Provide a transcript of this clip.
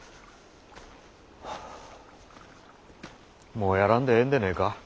もうやらんでええんでねえか？